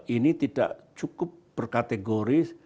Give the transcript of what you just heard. ini tidak cukup berkategori